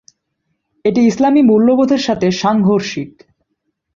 এটি ইসলামী মূল্যবোধের সাথে সাংঘর্ষিক।